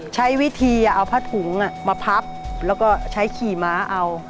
ใช้วิธีเอาผ้าถุงมาพับแล้วก็ใช้ขี่ม้าเอา